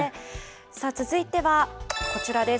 続いてはこちらです。